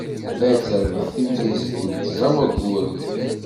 Ad terbeḥ timsizelt n tẓa n wagguren.